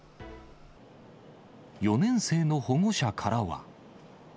４年生の保護者からは。